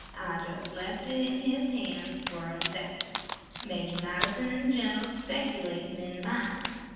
I jes' lef' it in his han's fer 'ves'men' .Major Madison an' Gin'ral's spec'latin' in mines.